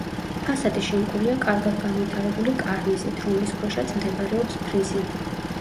ფასადი შემკულია კარგად განვითარებული კარნიზით, რომლის ქვეშაც მდებარეობს ფრიზი.